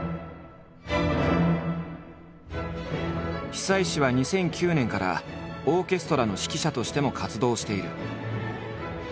久石は２００９年からオーケストラの指揮者としても活動している。